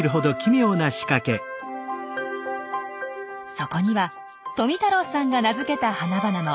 そこには富太郎さんが名付けた花々も。